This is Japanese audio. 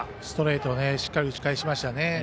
ストレートをしっかり打ち返しましたね。